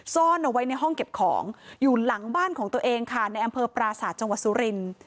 ซ่อนเอาไว้ในห้องเก็บของอยู่หลังบ้านของตัวเองค่ะในอำเภอปราศาสตร์จังหวัดสุรินทร์